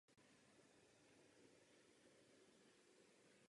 Snaha učinit provincii Holland anglickým protektorátem neuspěla.